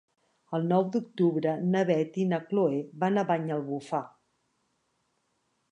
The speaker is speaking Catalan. El nou d'octubre na Beth i na Chloé van a Banyalbufar.